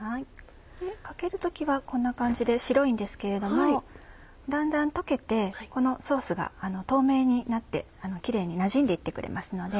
かける時はこんな感じで白いんですけれどもだんだん溶けてこのソースが透明になってキレイになじんで行ってくれますので。